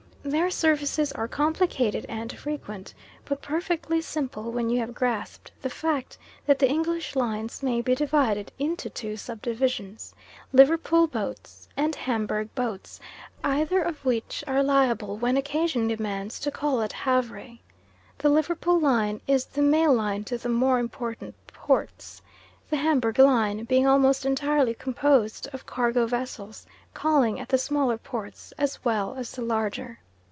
Their services are complicated and frequent, but perfectly simple when you have grasped the fact that the English lines may be divided into two sub divisions Liverpool boats and Hamburg boats, either of which are liable when occasion demands to call at Havre. The Liverpool line is the mail line to the more important ports, the Hamburg line being almost entirely composed of cargo vessels calling at the smaller ports as well as the larger.